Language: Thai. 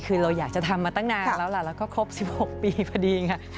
คือเราอยากจะทำมาตั้งนานแล้วล่ะแล้วก็ครบ๑๖ปีพอดีค่ะ